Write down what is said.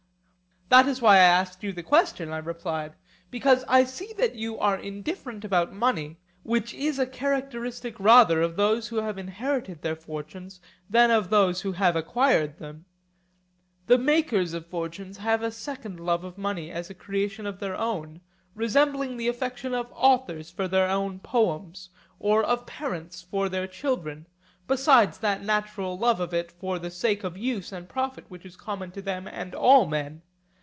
That was why I asked you the question, I replied, because I see that you are indifferent about money, which is a characteristic rather of those who have inherited their fortunes than of those who have acquired them; the makers of fortunes have a second love of money as a creation of their own, resembling the affection of authors for their own poems, or of parents for their children, besides that natural love of it for the sake of use and profit which is common to them and all men.